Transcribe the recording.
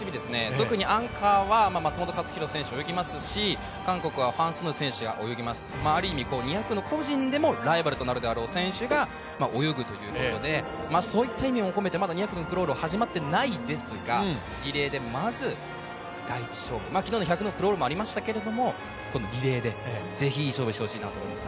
特にアンカーは松元克央選手が泳ぎますし韓国はファン・ソヌ選手が泳ぎますある意味２００の個人でもライバルなる選手が泳ぐということでそういった意味も込めて、２００のクロールも始まっていませんが、リレーで、まず昨日の１００のクロールもありましたけどこのリレーでぜひいい勝負をしてほしいと思います。